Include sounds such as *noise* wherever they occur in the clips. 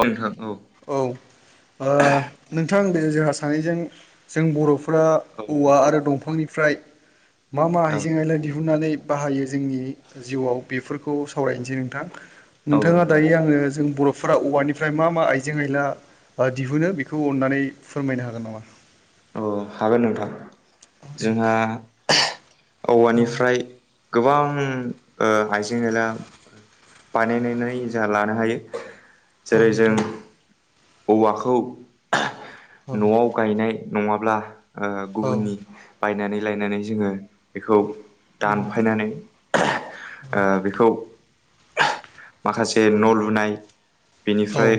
औ नोंथां औ औ ओ नोंथां बे जोंहा सानैजों जों बर'फ फोरा औ औवा नोंथां आरो दंफांनिफ्राय मा मा औ आइजें आयला दिहुननानै बाहायो जोंनि जिउआव बेफोरखौ सावरायनोसै नोंथां। औ नोंथाङा नोंथां दायो आङो जों बर'फोरा औवानिफ्राय मा मा आइज आइजें आइला ओ दिहुनो बेखौ अन्नानै फोरमायनो हागोन नामा? अ हागोन नोंथां औ दे जोंहा औ औवानिफ्राय गोबां ओ ओ हाइजें आयला बानायनानै जोंहा लानो हायो औ जेरै नोंथां जों औवाखौ औ न'आव गायनाय नङाब्ला ओ औ औ औ गुबुननि बायनानै लायनानै जोङो बेखौ दानफायनानै ओ बेखौ माखासे न' लुनाय बेनिफ्राय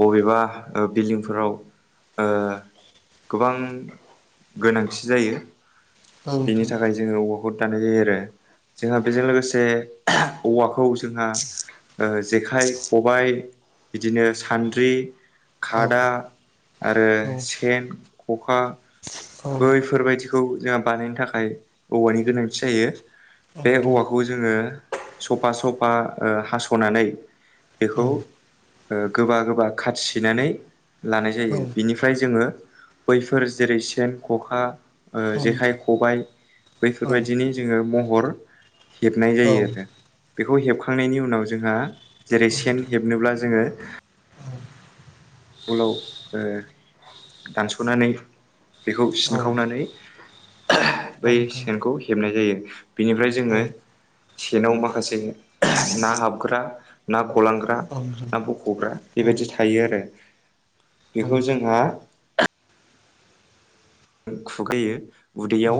बबेबा ओ बिल्डिंफोराव ओ गोबां गोनांथि जायो बेनि नोंथां थाखाय जोङो औव खौ दान्नाय जायो आरो जोंहा बेजों लोगोसे औवाखौ स जोंहा ओ जेखाइ खबाय बिदिनो सान्द्रि खादा आरो सेन खखा बैफोरबायदि खौ जोंहा बानायनो थाखाय औवानि गोनांथि जायो बे औवाखौ जोङो सपा सपा ओ हास'नानै बेखौ ओ गोबा गोबा खाथि सैनानै लानाय जायो बिनिफ्राय जोङो बैफोर जेरै सेन, ख'खा ओ जेखाइ खबाय बैफोरबायदिनो जोङो महर हेबनाय जायो आरो बेखौ हेबखांनायनि उनाव जोंहा जेरै सेन हेबनोब्ला जोङो गोलाव ओ दानस'नानै बेखौ सिनखावनानै बै सेनखौ हेबनाय जायो। बेनिफ्राय जोङो सेनाव माखासे ना हाबग्रा ना ना गलांग्रा ना बख'ग्रा बेबायदि थायो आरो बेखौ जोंहा खुगायो उदैयाव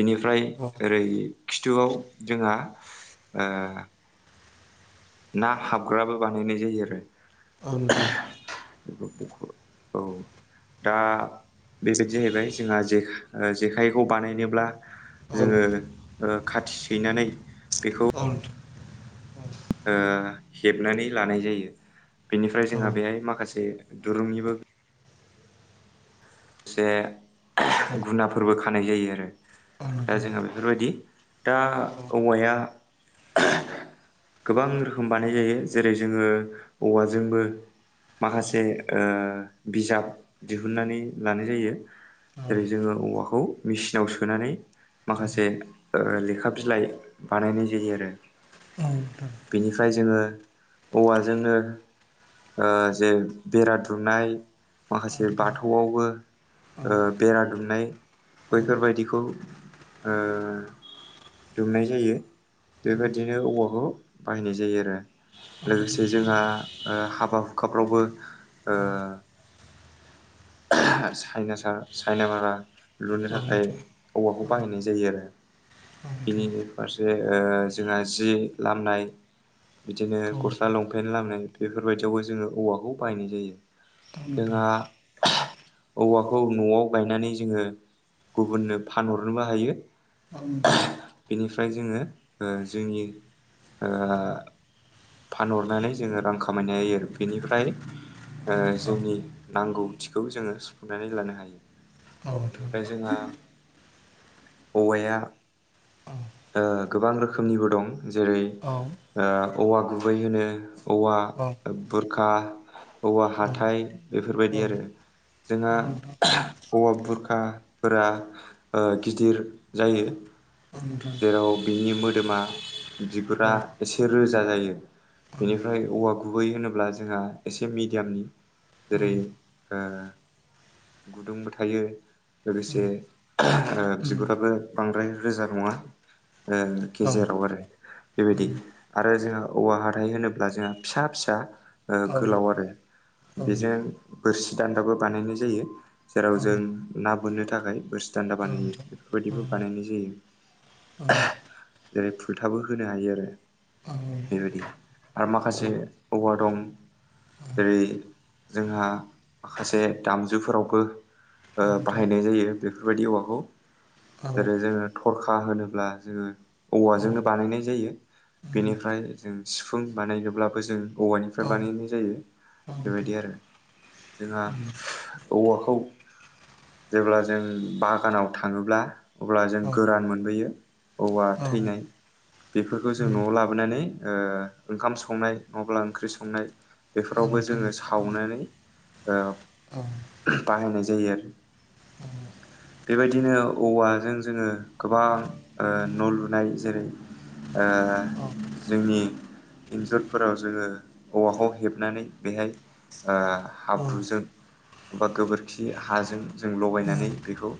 बिनिफ्राय ओरै खिथु खिथुआव जोंहा ना हाबग्राबो बानायनाय जायो आरो औ नोंथां। औ दा बेबायदि जाहैबाय जोंहा जेखाइखौ बानायनोब्ला जोङो खाथि सैनानै बेखौ औ नोंथां। हेबनानै लानाय जायो बेनिफ्राय जोंहा बेहाय माखासे दुरुंनिबो से गुनाफोरबो खानाय जायो आरो दा जोंहा बेफोरबायदि दा औवाया *inaudible* गोबां रोखोम बानाय जायो जेरै जोङो औवाजोंबो माखासे ओ बिजाब दिहुननानै लानाय जायो। जेरै जोङो औवाखौ मेचिनाव सोनानै माखासे ओ लेखा बिलाइ बानायनाय जायो आरो बेनिफ्राय जोङो औवाजोंनो, ओ जे बेरा दुमनाय माखासे बाथौआवबो ओ बेरा दुमनाय बैफोरबायदिखौओ दुमनाय जायो। बेबायदिनो औवाखौ बाहायनाय जायो आरो लोगोसे जोंहाओ हाबा हुखाफ्रावबो *inaudible* चाइनासा चाइना मारा लुनो थाखाय औवाखौ बाहायनाय जायो आरो। बिनि फारसे ओ जोंहा जि लामनाय बिदिनो गस्ला लंपेन्ट लामनाय बेफोरबायदियावबो जोङो औवाखौ बायनाय जायो। जोंहा *inaudible* औवाखौ न'आव गायनानै जोङो गुबुननो फानहरनोबो हायो। *unintelligible* बेनिफ्राय जोङो ओ जोंनि ओ फानहरनानै जोङो रां खामायनो हायो बिनिफ्राय ओ जोंनि नांगौथिखौ जोङो सुफुंनानै लानो हायो। औ बेनिफ्राय जोंहा नोंथां। औवाया ओ गोबां रोखोमनिबो दं। जेरै ओ औवा गुबै होनो औवा बुरखा औवा हाथाय बेफोरबायदि आरो जोंहा औवा बुरखाफोरा ओ गिदिर जायो। जेराव बिनि मोदोमा बिगुरा एसे रोजा जायो। बेनिफ्राय औवा गुबै होनोब्ला जोंहा एसे मिडियामनि जेरै ओ गुदुंबो थायो? लोगोस ओे बिगुराबो बांद्राय रोजा नङा। ओ गेजेराव आरो बेबायदि आरो जोंहा औवा हाथाय होनोब्ला जोंहा फिसा फिसा ओ गोलाव आरो बेजों बोरसि दान्दाबो बानायनाय जायो जेराव जों ना बोननो थाखाय बोरसि दान्दा बानायो बेद बानायनाय जायो जेरै जेरै फुलथाबो होनो आरो। बेबायदि आरो माखासे औवा दं। जेरै जोंहा माखासे दामजुफोरावबो ओ बाहायनाय जायो बेफोरबायदि औवाखौ। जेरै जोङो थरखा होनोब्ला जोङो औवाजोंनो बानायनाय जायो। बेनिफ्राय जों सिफुं बानायोबब्लाबो जों औवानिफ्राय बानायनाय जायो बेबायदि आरो जोंहा औवाखौ जेब्ला जों बागानाव थाङोब्ला अब्ला जों गोरान मोनबोयो औवा थैनाय बेफोरखौ जों न'आव लाबोनानै ओ ओंखाम संनाय नङाब्ला ओंख्रि संनाय बेफोरावबो जोङो सावनानै ओ बाहायनाय जायो आरो *inaudible* बेबायदिनो औवाजों जोङो गोबां ओ न' लुनाय जेरै ओ जोंनि एन्जुरफोराव जोङो औवाखौ हेबनानै बेहाय ओ हाब्रुजों बा गोबोरखि हाजों जों लगायनानै बेखौ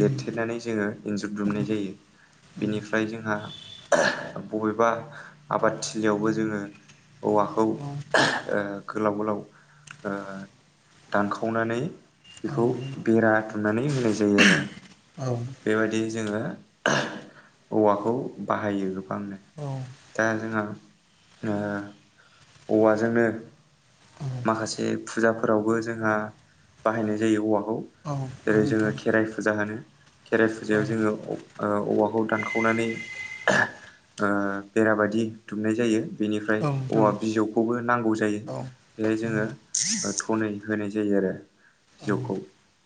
लेरथेरनानै जोङो एन्जुरदुमनाय जायो। बेनिफ्राय जोंहा बबेबा आबादथिलियावबो जोङो औवाखौ ओ गोलाव गोलाव ओ दानखावनानै बेखौ बेरा दुमनानै होनाय जायो आरो। औ। बेबायदि जोङो औवाखौ बाहायो गोबांनो। दा जोंहा ओ औवाजोंनो माखासे जे फुजाफोरावबो जोंहा बाहायनाय जायो औवा। खौ जेरै जोङो खेराइ फुजा होनो खेराइ फुजायाव जोङो अ ओ औवाखौ दानखावनानै बेरा बायदि दुमनाय जायो। बेनिफ्राय औ नोंथां औवा बिजौखौबो नांगौ जायो। औ बेहाय जोङो ओ थनै होनाय जायो आरो बिजौखौ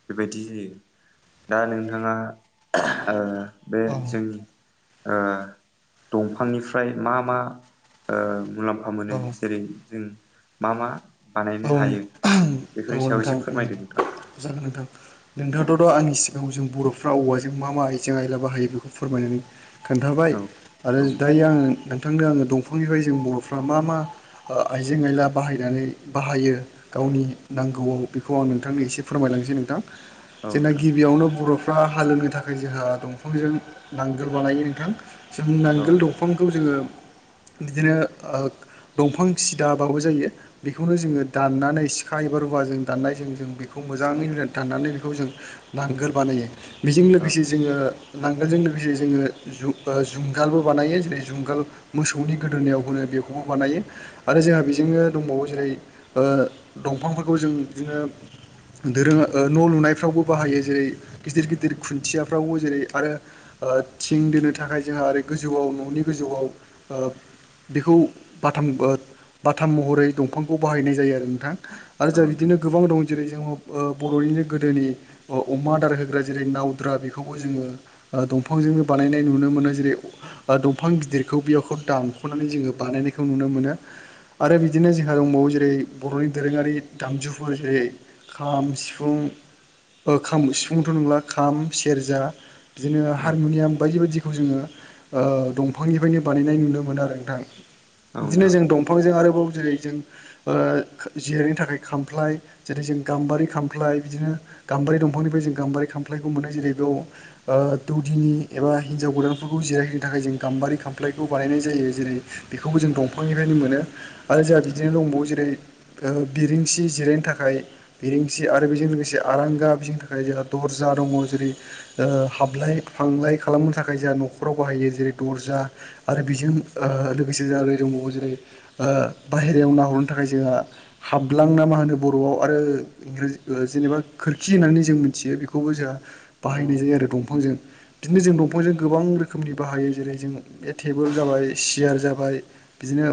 बेबायदि जायो। दा नोंथाङा ओ बे औ जोंनि ओ दंफांनिफ्राय मा मा ओ मुलाम- फा मोनो औ जेरै जों मा मा औ बानायनो हायो। औ बेफोरनि सायाव नोंथां एसे फोरमायदो जागोन नोंथां नोंथाङाथ' दहय आंनि सि- आव जों बर'फ्रा औवाजों मा मा आइजें आइला बाहायो बेखौ फोरमायनानै खोन्थाबाय नोंथां औ आरो औ नोंथां दायो आं बिथांनो आङो दंफांनिफ्राय जों बर'फ्रा मा मा ओ आइजें आइला बाहायनानै बाहायो गावनि नांगौआव बेखौ आं नोंथांनो एसे फोरमायलांनोसै नोंथां। औ जोंना नोंथां गिबियावनो बर'- फ्रा हालेवनो थाखाय जोंहा दंफांजों नांगोल बानायो नोंथां, ! जों औ नांगोल दंफांखौ जोङो बिदिनो ओ दंफां सिदाबाबो जानिया बेखौनो जोङो दाननानै सिखा एबा रु- औवाजों दान्नायजों जों बेखौ मोजाङै दाननानै बेखौ जों नांगोल बानायो बेजों औ लोगोसे जोङो नांगोलजों लोगोसे जोङो जु जुंगालबो बानायो जेरै जुंगाल मोसौनि गोदोनायाव होनो बेखौबो बानायो आरो जोंहा बेजोंनो दंबावो जेरै ओ दंफांफोर खौ जों बिदिनो दोरों ओ न' लुनायफ्रावबो बाहायो जेरै गिदिर गिदिर खुन्थियाफ्रावबो जेरै आरो ओ थिं दोनो थाखाय जोंहा ओरै गोजौआव न'नि गोजौआव ओ बेखौ बाथाम ओ बाथाम महरै दंफांखौ बाहायनाय जायो आरो नोंथां आरो औ जाहा नोंथां बिदिनो गोबां दं जेरै जोङो ओ बर'निनो गोदोनि अ अमा आदार होग्रा जेरै नावद्रा बेखौबो जोङो ओ दंफांजोंनो बानायनाय नुनो मोनो जेरै ओ दंफां गिदिरखौ बेयावखौ दानख'नानै जोङो बानायनाय बेखौ नुनो मोनो आरो बिदिनो जोंहा दंबावो जेरै बर'नि दोरोङारि दामजुफोर जेरै खाम सिफुं ओ खाम सिफुंथ' नंला खाम सेरजा बिदिनो हारमुनियाम बायदि बायदि- खौ जोङो ओ दंफांनिफ्रायनो बानायनाय नुनो मोनो आरो नोंथां औ बिदिनो नोंथां जों दंफांजों आरोबाव जेरै जों ओ खो जिरायनो थाखाय खामफाय जेरै जों गाम्बारि खामफाय बिदिनो गाम्बारि दंफांनिफ्राय जों गाम्बारि खामफ्लायखौ मोननाय जेरै द ओ दौदिनि एबा हिन्जाव गोदानफोरखौ जिरायहोनो थाखाय जों गाम्बारि खामफ्लायखौ बानायनाय जायो से जेरै बेखौबो जों दंफांनिफ्रायनो मोनो आरो जोंहा बिदिनो दंबावो जेरै ओ बेरिं- सि जिरायनो थाखाय बिरेंसि आरो बेजों लोगोसे आरांगा बिनि थाखाय जोंहा दर्जा दङ जेरै ओ हाबलाय फांलाय खालामनो थाखाय जाहा न'खराव बाहायो जेरै दर्जा आरो बेजों ओ लोगोसे जाहा ओरै दंबावो जेरै ओ बाहेरियाव नाहरनो थाखाय जोंहा हाब ग्लां ना मा होनो बर'आव आरो इंराजि ओ जेनेबा खोरखि होननानै जों मिथियो बेखौबो जाहा औ बाहायनाय जायो आरो दंफांजों बिदिनो जों दंफांजों गोबां रोखोमनि बाहायो जेरै जों बे टेबोल जाबाय सियार जाबाय बिदिनो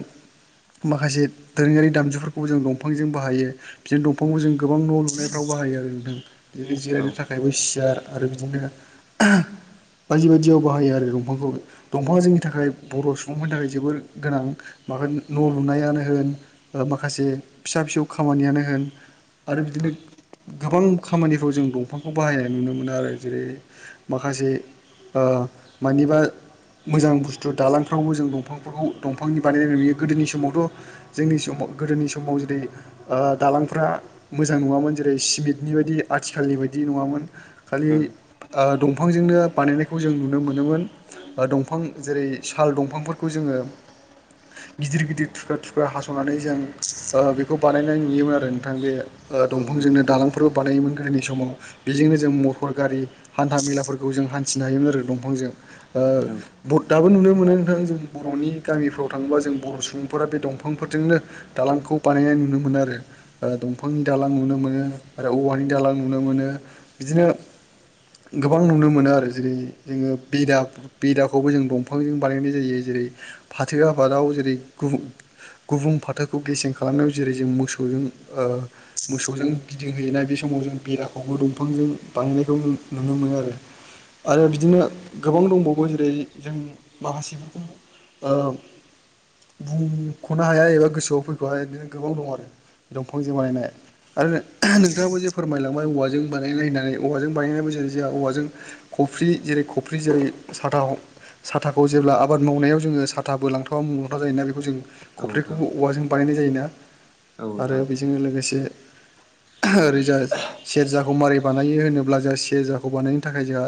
माखासे दोरोङारि दामजुफोरखौबो जों दं- फांजों बाहायो बिदिनो दंफांखौ जों गोबां न' लुनायफ्राव बाहायो आरो नोंथां बिदिनो औ नोंथां औ नोंथां औ जिरायनो नोंथां थाखायबो सियार आरो बिदिनो *unintelligible* बायदि बायदियाव बाहायो आरो दंफांखौ दंफाङा जोंनि थाखाय बर' सुबुंफोरनि थाखाय जोबोर गोनां मा होन न' लुनायानो होन ओ माखासे फिसा फिसौ खामानियानो होन आरो बिदिनो गोबां खामानिफ्राव जों दंफांखौ बाहायनाय नुनो मोनो आरो जेरै माखासे ओ मानिबा मोजां बुस- थु दालांफ्रावबो जों दंफांफोराव दंफांनि बानायनाय नुयो गोदोनि समावथ' जोंनि समाव गोदोनि समाव जे- रै ओ दालांफ्रा मोजां नङामोन जेरै सिमेन्टनि बायदि आथिखालनि बायदि नङामोन खालि ओ दंफांजोंनो बानायनायखौ जों नुनो मोनोमोन दंफां जेरै साल दंफांफोरखौ जोङो गिदिर गिदिर थुख्रा थुख्रा हास'नानै जों बानायनाय नुयोमोन आरो नोंथां बे औ दंफांजोंनो दालांफोरबो बानायोमोन गोदोनि समाव बेजोंनो जों मथर गारि हान्था मेलाफोरखौ जों हान्थिनो हायोमोन आरो दंफांजों ओ दाबो नुनो मोननाय नोंथां जों बर'नि गामिफ्राव थाङोबा जों बर' सुबुंफोरा बे दंफांफोरजों नो दालांखौ बानायनाय नुनो मोनो आरो दंफांनि दालां नुनो मोनो आरो औवानि दालां नुनो मोनो इदिनो गोबां नुनो मोनो आरो जेरै जोङो बेदा बेदाखौबो जों दंफांजों बानायनाय जायो जेर जेरै फाथो आबादाव जेरै गुबुं फाथोखौ गेसें खालाम खालामनायाव जेरै जों मोसौजों ओ मोसौजों गिदिंहैनाय बे समाव जों बेराखौबो दंफांजों बांनायखौ नुनो मोनो आरो आरो बिदिनो गोबां दंबावो जेरै- जों माखासेफोरखौ ओ बुंख'नो हाया एबा गोसोआव फै बेहाय बिदिनो गोबां दं आरो दंफांजों बानायनाय। आरो नोंथाङाबो जे फोरमायलांबाय औवाजों बानायलायनाय औवाजों बानायनाय जों जेला औवाजों खफ्रि जेरै खफ्रि जेरै साथा ह साथाखौ जेब्ला आबाद मावनायाव जोङो साथाबो लांथावा मुं लाथावा जायोना बेखौ जों खफ्रिखौबो औवाजों बानायनाय जायोना आरो बेजोंनो लोगोसे ओरैजाज सेरजा खौ मारै बानायो होनोब्ला जोंहा सेरजाखौ बानायनो थाखाय जोंहा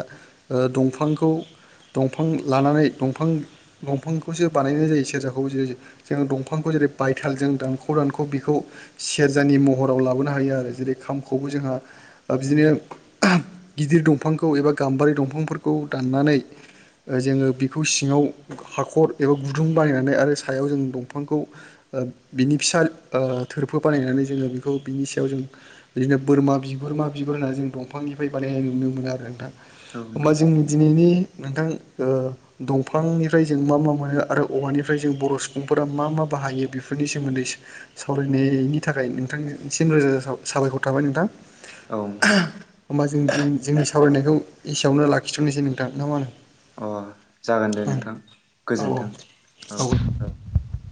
ओ दंफांखौ दंफां लानानै दंफां दंफांखौसो बानायनाय जायो सेरजाखौ जेरै जों दंफांखौ जेरै बायथालजों दानख' दानख' बेखौ सेरजानि महराव लाबोनो हायो आरो जेरै खामखौबो जोंहा ओ बिदिनो गिदिर दंफांखौ एबा गाम्बारि दंफांफोरखौ दाननानै जोङो बेखौ सिङाव हाखर एबा गुदुं बानायनानै आरो सायाव जों दंफांखौ ओ बिनि फिसा ओ थोरफो बानायनानै जोङो बेखौ बिनि सायाव जों बिदिनो बोरमा बिगुर बोरमा बिगुर होना जों दंफांनिफ्राय बानायनाय नुनो मोनो आरो नोंथां होमबा नोंथां जोंनि दिनैनि नोंथां ओ दंफांनिफ्राय जों मा मा मोनो आरो औवानिफ्राय जों बर' सुबुंफोरा मा मा बाहायो बि फोरनि सोमोन्दै सावरायनायनि थाखाय नोंथांसिम रोजा रोजा सा-साबायखर थाबाय नोंथां। औ नोंथां होमबा जों दिनि जोंनि सावरायनायखौ एसेयावनो लाखिथ'नोसै नोंथां ना मा होनो? अ जागोन दे नोंथां औ गोजोन्थों औ औ औ